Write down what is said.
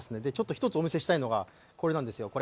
一つ、お見せしたいのがこれなんです